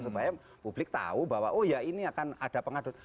supaya publik tahu bahwa oh ya ini akan ada pengaduan